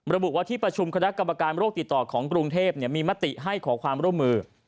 ระบุว่าที่ประชุมคณะกรรมการโรคติดต่อของกรุงเทพมีมติให้ขอความร่วมมือ